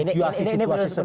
ini perlu saya clear kan